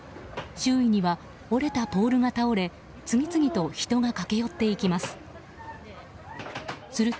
周囲には折れたポールが倒れ次々と人が駆け寄っていきます。